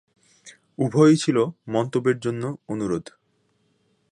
উভয়ই ছিল মন্তব্যের জন্য অনুরোধ।